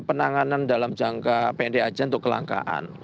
penanganan dalam jangka pendek aja untuk kelangkaan